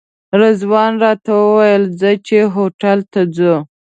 رضوان راته وویل ځه چې هوټل ته ځو.